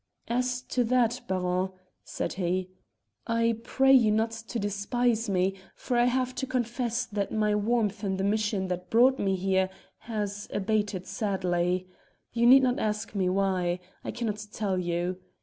"As to that, Baron," said he, "I pray you not to despise me, for I have to confess that my warmth in the mission that brought me here has abated sadly. You need not ask me why. I cannot tell you.